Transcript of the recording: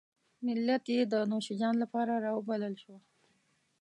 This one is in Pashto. ملت یې د نوشیجان لپاره راوبلل شو.